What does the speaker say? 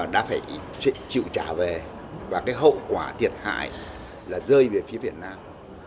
đã phải chịu trả về và cái hậu quả thiệt hại là rơi về phía việt nam